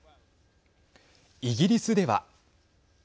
イギリスでは。